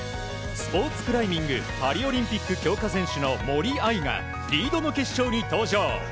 スポーツクライミングパリオリンピック強化選手の森秋彩がリードの決勝に登場。